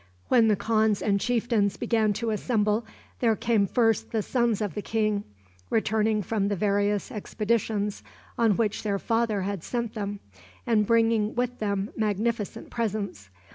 When the khans and chieftains began to assemble, there came first the sons of the king, returning from the various expeditions on which their father had sent them, and bringing with them magnificent presents.